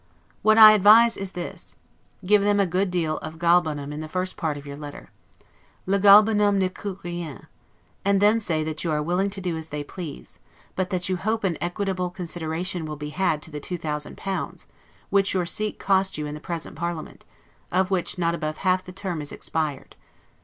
What I advise is this: Give them a good deal of 'Galbanum' in the first part of your letter. 'Le Galbanum ne coute rien'; and then say that you are willing to do as they please; but that you hope an equitable consideration will be had to the two thousand pounds, which your seat cost you in the present parliament, of which not above half the term is expired.